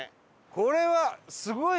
これはすごい。